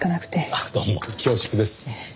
ああどうも恐縮です。